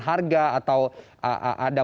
harga atau ada